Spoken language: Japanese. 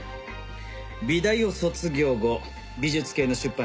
美大を卒業後美術系の出版社に就職。